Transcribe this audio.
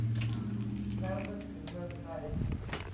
แล้วนึกถึงเมืองไทย